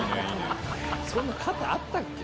そんな形あったっけ？